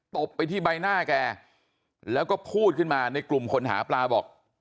บไปที่ใบหน้าแกแล้วก็พูดขึ้นมาในกลุ่มคนหาปลาบอก